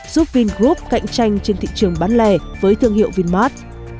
giúp vingroup cạnh tranh trên thị trường bán lẻ với thương hiệu vinmart